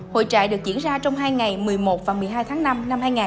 hội trại được diễn ra trong hai ngày một mươi một và một mươi hai tháng năm năm hai nghìn hai mươi